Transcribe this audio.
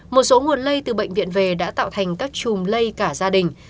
một số nguồn lây từ bệnh viện về đã tạo thành các chùm lây cả gia đình